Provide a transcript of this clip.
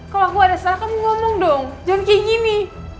kalau aku ada salah kamu ngomong dong john kayak gini